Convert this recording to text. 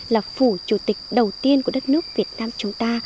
là phủ chủ tịch đầu tiên của đất nước việt nam chúng ta